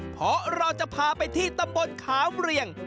เพราะเราจะพาไปที่ตำบลขามเรียง